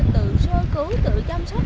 tự sơ cứu tự chăm sóc